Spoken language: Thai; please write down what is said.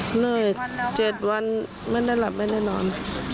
เหนื่อย๗วันไม่ได้หลับไม่ได้นอน